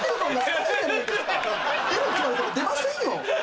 出ませんよ！